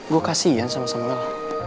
gue kasihan sama samuel